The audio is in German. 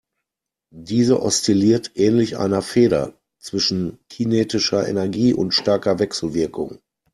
Diese oszilliert ähnlich einer Feder zwischen kinetischer Energie und starker Wechselwirkung.